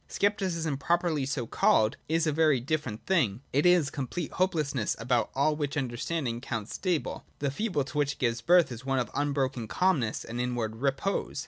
Scepticism properly so called is a very different thing : it is complete hopelessness about all which understanding counts stable, and the feeling to which it gives birth is one of unbroken calmness and inward re • pose.